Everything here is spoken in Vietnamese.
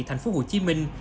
thành phố hồ chí minh